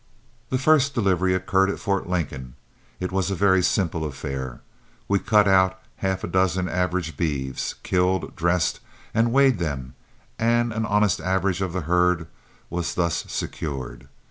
The first delivery occurred at Fort Lincoln. It was a very simple affair. We cut out half a dozen average beeves, killed, dressed, and weighed them, and an honest average on the herd was thus secured.